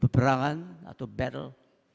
perperangan atau battle